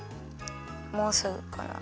もうすぐかな？